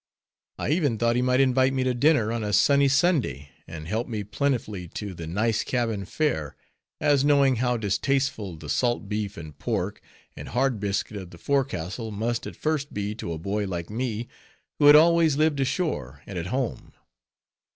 I even thought he might invite me to dinner on a sunny Sunday, and help me plentifully to the nice cabin fare, as knowing how distasteful the salt beef and pork, and hard biscuit of the forecastle must at first be to a boy like me, who had always lived ashore, and at home.